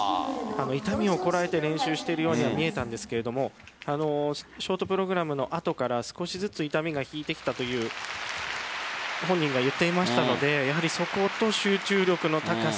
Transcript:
痛みをこらえて練習しているように見えましたがショートプログラムの後から少しずつ痛みが引いてきたという本人が言っていましたのでやはりそこと、集中力の高さ。